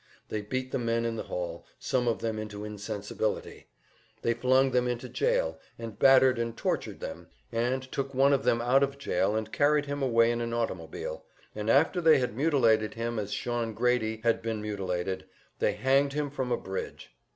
They beat the men in the hall, some of them into insensibility; they flung them into jail, and battered and tortured them, and took one of them out of jail and carried him away in an automobile, and after they had mutilated him as Shawn Grady had been mutilated, they hanged him from a bridge.